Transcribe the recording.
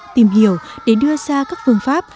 tìm hiểu để đưa ra các phương pháp